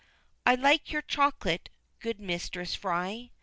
XIII. I like your chocolate, good Mistress Fry!